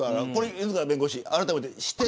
犬塚弁護士、あらためて。